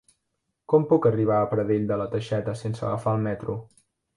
Com puc arribar a Pradell de la Teixeta sense agafar el metro?